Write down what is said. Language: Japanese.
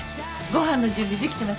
ご飯の準備できてますよ。